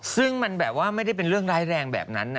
ซึ่งมันแบบว่าไม่ได้เป็นเรื่องร้ายแรงแบบนั้นนะ